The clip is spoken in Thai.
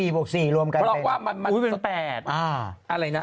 ๔บวก๔รวมกันเป็นอุ๊ยเป็น๘อะไรนะ